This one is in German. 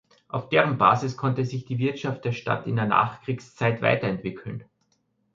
Auf deren Basis konnte sich die Wirtschaft der Stadt in der Nachkriegszeit weiterentwickeln.